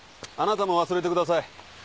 あなたも忘れてください。